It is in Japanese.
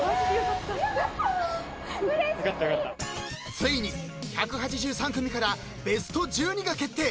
［ついに１８３組からベスト１２が決定！］